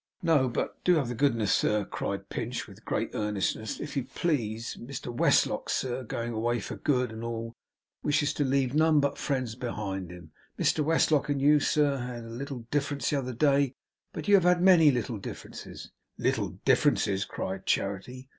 'No, but do have the goodness, sir,' cried Pinch, with great earnestness, 'if you please. Mr Westlock, sir, going away for good and all, wishes to leave none but friends behind him. Mr Westlock and you, sir, had a little difference the other day; you have had many little differences.' 'Little differences!' cried Charity.